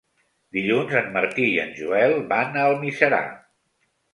Dilluns en Martí i en Joel van a Almiserà.